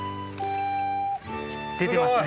出てますね。